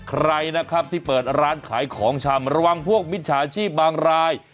ใครนะครับที่เปิดร้านขายของชำระวังพวกมิจฉาชีพบางราย